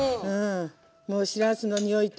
もうしらすのにおいと。